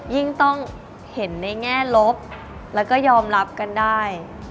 ยิ่งต้องเห็นในแง่ลบแล้วก็ยอมรับกันได้